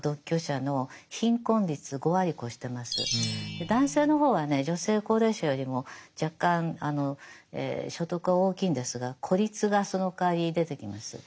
で男性の方はね女性高齢者よりも若干所得は大きいんですが孤立がそのかわり出てきます。